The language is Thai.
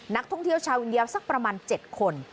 นักท่องเที่ยวชาวอินเดียสักประมาณ๗คน